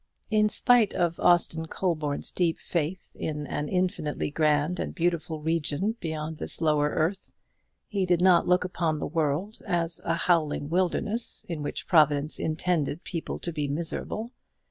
In spite of Austin Colborne's deep faith in an infinitely grand and beautiful region beyond this lower earth, he did not look upon the world as a howling wilderness, in which Providence intended people to be miserable.